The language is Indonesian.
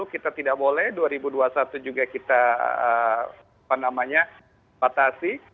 dua ribu dua puluh kita tidak boleh dua ribu dua puluh satu juga kita batasi